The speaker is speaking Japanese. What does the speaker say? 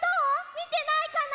みてないかな？